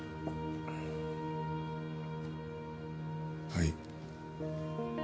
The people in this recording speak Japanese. はい。